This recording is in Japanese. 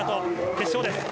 決勝です。